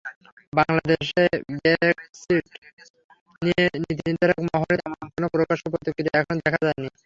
বাংলাদেশে ব্রেক্সিট নিয়ে নীতিনির্ধারক মহলে তেমন কোনো প্রকাশ্য প্রতিক্রিয়া এখনো দেখা যায়নি।